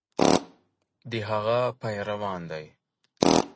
د هغه پیروان دي.